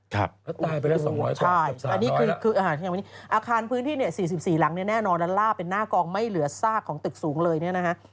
แล้วตายไปแล้ว๒๐๐ใช่อันนี้คืออาคารพื้นที่เนี่ย๔๔หลังเนี่ยแน่นอนด้านล่าเป็นหน้ากองไม่เหลือซากของตึกสูงเลยเนี่ยนะฮะ